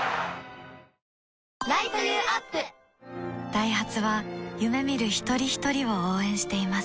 ダイハツは夢見る一人ひとりを応援しています